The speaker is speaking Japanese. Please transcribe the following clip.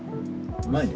うまいね。